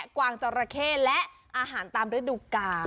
แปะกวางจราเคนและอาหารตามระดูกการ